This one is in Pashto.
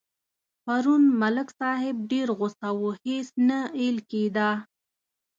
پرون ملک صاحب ډېر غوسه و هېڅ نه اېل کېدا.